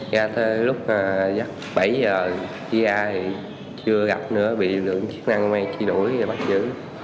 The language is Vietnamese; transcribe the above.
ra tới lúc bảy h chứa gặp nữa bị lực lượng chức năng công an chi đuổi và bắt giữ